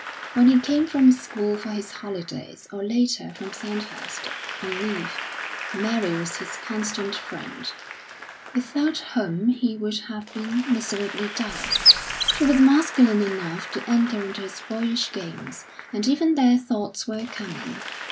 When he came from school for his holidays, or later from Sandhurst, on leave, Mary was his constant friend, without whom he would have been miserably dull. She was masculine enough to enter into his boyish games, and even their thoughts were common.